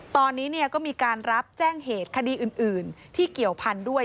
ตอนนี้ก็มีการรับแจ้งเหตุคดีอื่นที่เกี่ยวพันธุ์ด้วย